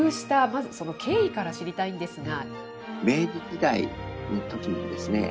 まずその経緯から知りたいんですが。